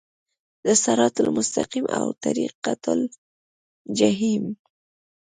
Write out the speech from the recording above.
د صراط المستقیم او طریق الجحیم